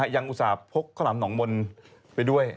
อุตส่าหกข้าวหลามหนองมนต์ไปด้วย